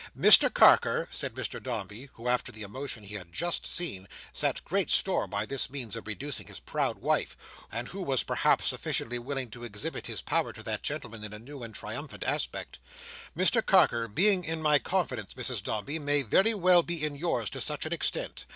Mr Carker," said Mr Dombey, who, after the emotion he had just seen, set great store by this means of reducing his proud wife, and who was perhaps sufficiently willing to exhibit his power to that gentleman in a new and triumphant aspect, "Mr Carker being in my confidence, Mrs Dombey, may very well be in yours to such an extent.